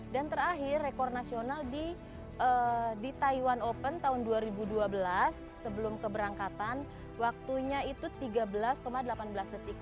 dan terakhir rekor nasional di taiwan open tahun dua ribu dua belas sebelum keberangkatan waktunya itu tiga belas delapan belas detik